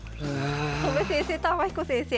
戸辺先生と天彦先生。